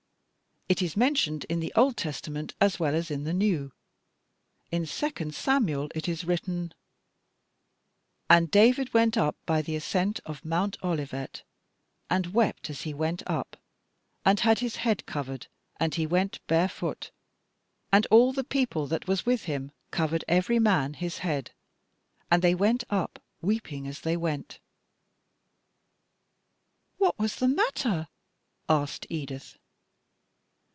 It is mentioned in the Old Testament as well as in the New. In Second Samuel it is written: 'And David went up by the ascent of Mount Olivet, and wept as he went up, and had his head covered, and he went barefoot: and all the people that was with him covered every man his head, and they went up, weeping as they went up.'" 2 Sam. xv. 30. "What was the matter?" asked Edith.